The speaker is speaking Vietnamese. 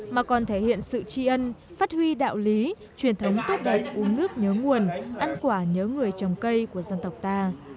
mà còn thể hiện sự tri ân phát huy đạo lý truyền thống tốt đẹp uống nước nhớ nguồn ăn quả nhớ người trồng cây của dân tộc ta